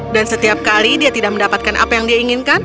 dan setiap kali dia tidak mendapatkan apa yang dia inginkan